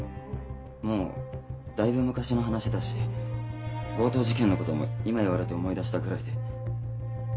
もうだいぶ昔の話だし強盗事件の事も今言われて思い出したぐらいで。